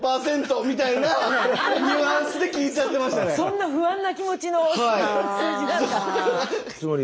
そんな不安な気持ちの数字なんだ。